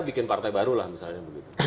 bikin partai baru lah misalnya begitu